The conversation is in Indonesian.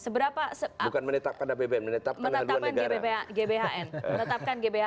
bukan menetapkan apbn menetapkan haluan negara